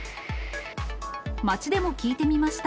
街でも聞いてみました。